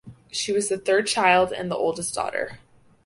She was the third child and the oldest daughter.